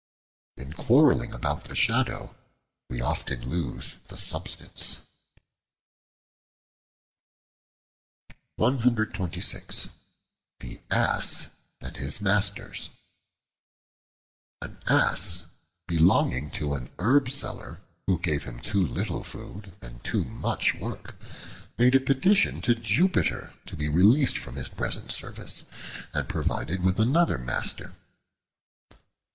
In quarreling about the shadow we often lose the substance. The Ass and His Masters AN ASS, belonging to an herb seller who gave him too little food and too much work made a petition to Jupiter to be released from his present service and provided with another master.